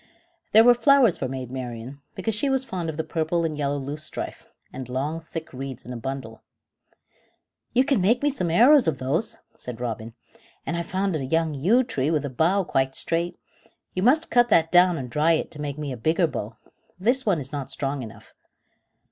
There were flowers for Maid Marian, because she was fond of the purple and yellow loosestrife, and long thick reeds in a bundle. "You can make me some arrows of those," said Robin; "and I've found a young yew tree with a bough quite straight. You must cut that down and dry it to make me a bigger bow. This one is not strong enough."